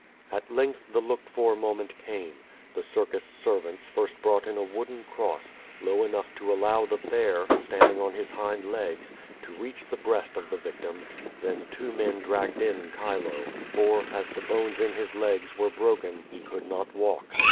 At length the looked for moment came. The circus ser vants first brought in a wooden cross, low enough to allow the bear, standing on his hind legs, to reach the breast of the vic tim; then two men dragged in Chilo, for, as the bones in his legs were broken, he could not walk.